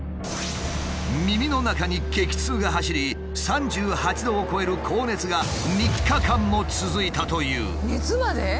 耳の中に激痛が走り３８度を超える高熱が３日間も続いたという。